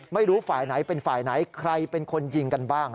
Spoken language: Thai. ไม่รู้ฝ่ายไหนเป็นฝ่ายไหนใครเป็นคนยิงกันบ้าง